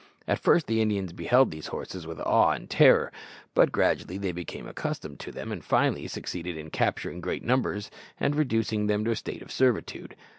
At first the Indians beheld these horses with awe and terror, but gradually they became accustomed to them, and finally succeeded in capturing great numbers and reducing them to a state of servitude.